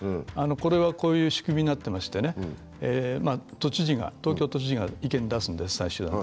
これは、こういう仕組みになってましてね、東京都知事が意見を出すんです、最終案。